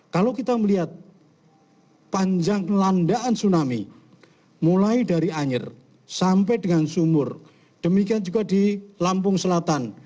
kalau kita melihat panjang landaan tsunami mulai dari anyer sampai dengan sumur demikian juga di lampung selatan